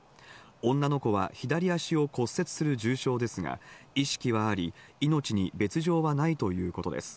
女の子は左足を骨折する重傷ですが、意識はあり、命に別条はないということです。